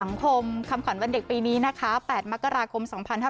สังคมคำขวัญวันเด็กปีนี้นะคะ๘มกราคม๒๕๕๙